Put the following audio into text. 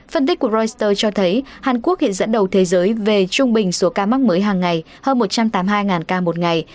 phân tích của reuters cho thấy hàn quốc hiện dẫn đầu thế giới về trung bình số ca mắc mới hàng ngày hơn một trăm tám mươi hai ca một ngày